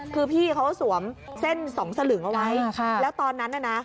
คือพี่เขาสวมเส้นสองสลึงเอาไว้แล้วตอนนั้นน่ะนะ